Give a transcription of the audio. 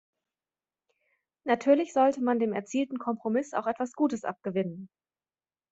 Natürlich sollte man dem erzielten Kompromiss auch etwas Gutes abgewinnen.